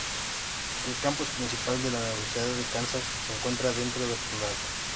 El campus principal de la Universidad de Kansas se encuentra dentro del condado.